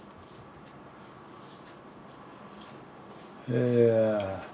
いや。